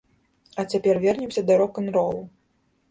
А цяпер вернемся да рок-н-ролу.